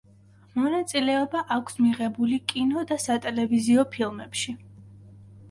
მონაწილეობა აქვს მიღებული კინო და სატელევიზიო ფილმებში.